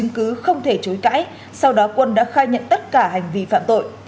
các chứng cứ không thể chối cãi sau đó quân đã khai nhận tất cả hành vi phạm tội